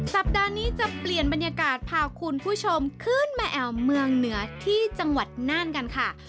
สัปดาห์นี้จะเปลี่ยนบรรยากาศพาคุณผู้ชมขึ้นมาแอวเมืองเหนือที่จังหวัดน่านกันค่ะ